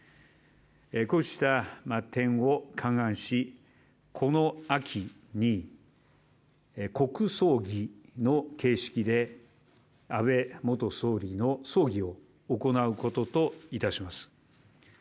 こうした点を勘案し、この秋に国葬儀の形式で安倍元総理の葬儀を行うことと致します。